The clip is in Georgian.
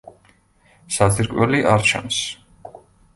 საძირკველი არ ჩანს.